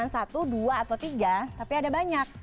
dan satu dua atau tiga tapi ada banyak